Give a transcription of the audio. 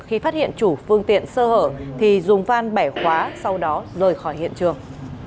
khi phát hiện chủ phương tiện sơ hở thì dùng van bẻ khóa sau đó rời khỏi hiện trường